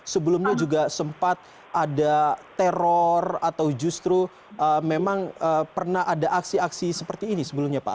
sebelumnya juga sempat ada teror atau justru memang pernah ada aksi aksi seperti ini sebelumnya pak